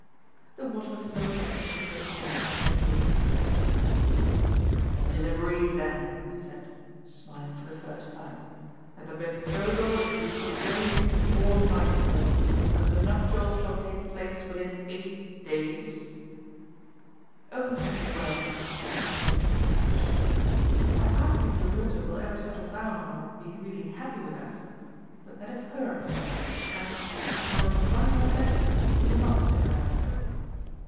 The water flowed back into the basin at a motion of the Lake King's sceptre. "It is agreed, then," he said, smiling for the first time, "that the betrothal is to be proclaimed before nightfall, and that the nuptials shall take place within eight days?" "Oh, very well," said Queen Selina pettishly, "I can't think your daughter will ever settle down or be really happy with us but that is her affair, and and I will try my best to be a Mother to her."